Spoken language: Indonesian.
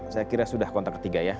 saya kira sudah kontak ketiga ya